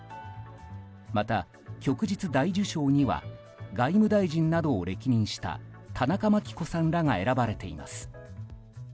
また、旭日大綬章には外務大臣などを歴任した田中眞紀子さんらが選ばれています。